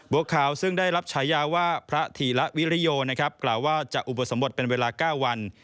บวกข่าวซึ่งได้รับฉายาว่าพระธีรวิริโยจะอุบสมบทเป็นเวลา๙วัน